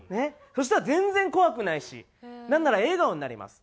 そしたら全然怖くないしなんなら笑顔になります。